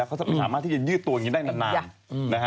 แล้วเขาจะมีสามารถที่จะยืดตัวอย่างนี้ได้นาน